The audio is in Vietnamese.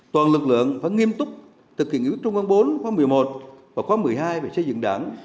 toàn lực lượng phải nghiêm túc thực hiện nguyễn trung quân bốn khóa một mươi một và khóa một mươi hai về xây dựng đảng